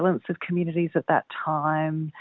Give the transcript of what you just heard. penyelidikan komunitas pada saat itu